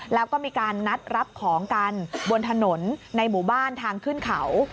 แล้วก็มีการนัดรับของกันบนถนนในหมู่บ้านทางขึ้นเขา